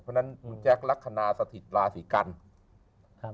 เพราะฉะนั้นคุณแจ๊คลักษณะสถิตราศีกันครับ